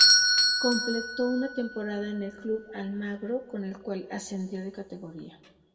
Completó una temporada en el Club Almagro con el cual ascendió de categoría.